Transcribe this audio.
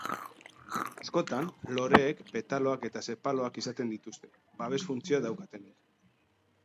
Askotan, loreek petaloak eta sepaloak izaten dituzte, babes funtzioa daukatenak.